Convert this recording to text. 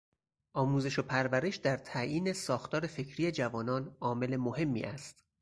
آموزش و پرورش در تعیین ساختار فکری جوانان عامل مهمی است.